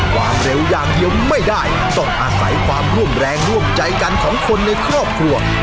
ความเร็วอย่างเดียวไม่ได้ต้องอาศัยความร่วมแรงร่วมใจกันของคนในครอบครัว